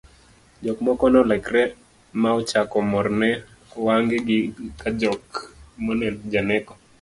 jok moko nolokore ma ochako morone wangegi ka jok moneno janeko